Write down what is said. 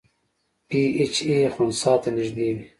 پی ایچ یې خنثی ته نږدې وي.